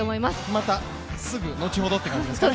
またすぐ、後ほどって感じですかね。